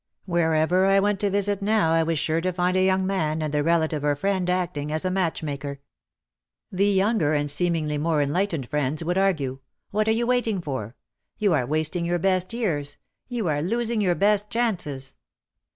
Wherever I went to visit now I was sure to find a young man, and the relative or friend acting as matchmaker. IT WAS A ONE DOOR STORE. OUT OF THE SHADOW 303 The younger and seemingly more enlightened friends would argue. "What are you waiting for? You are wasting your best years. You are losing your best chances.'